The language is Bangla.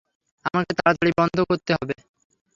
আমাকে তাড়াতাড়ি বন্ধ করতে হবে।